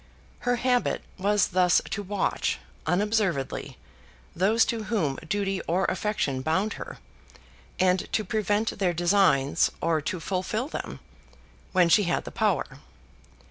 Her habit was thus to watch, unobservedly, those to whom duty or affection bound her, and to prevent their designs, or to fulfil them, when she had the power.